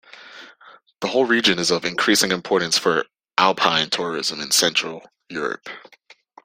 The whole region is of increasing importance for alpine tourism in Central Europe.